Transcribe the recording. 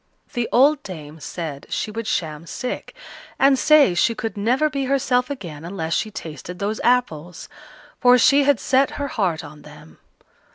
The old dame said she would sham sick, and say she could never be herself again unless she tasted those apples; for she had set her heart on them.